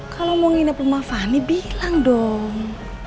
kalau mau nginep rumah fani bilang dong